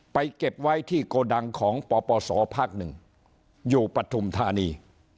เก็บไว้ที่โกดังของปปศภาคหนึ่งอยู่ปฐุมธานี